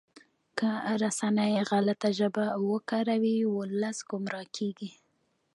که رسنۍ غلطه ژبه وکاروي ولس ګمراه کیږي.